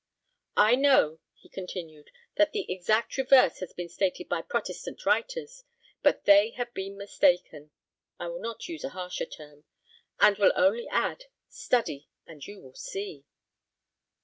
I know," he continued, "that the exact reverse has been stated by Protestant writers, but they have been mistaken I will not use a harsher term and will only add, study, and you will see."